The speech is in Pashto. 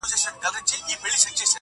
• ته تر اوسه لا د فیل غوږ کي بیده یې,